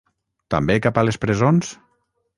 També cap a les presons?